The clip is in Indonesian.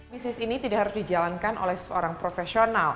bisnis ini tidak harus dijalankan oleh seorang profesional